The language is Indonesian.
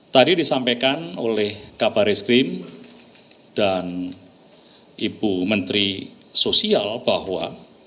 tadi disampaikan oleh kabar eskrim dan ibu menteri sosial bahwa